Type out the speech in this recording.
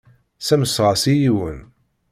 Ssamseɣ-as i yiwen.